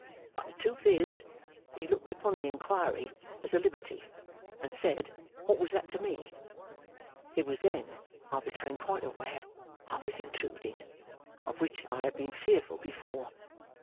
But the truth is, he looked upon the inquiry as a liberty, and said, "What was that to me?" It was then I became quite aware I was intruding: of which I had been fearful before.